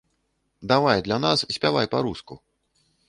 Давай для нас спявай па-руску.